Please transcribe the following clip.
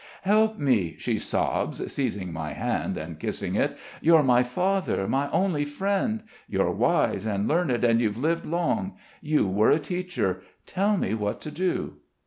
"Help me," she sobs, seizing my hand and kissing it. "You're my father, my only friend. You're wise and learned, and you've lived long! You were a teacher. Tell me what to do."